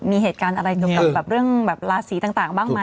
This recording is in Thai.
มีเหตุการณ์อะไรหรือเรื่องราศีต่างบ้างไหม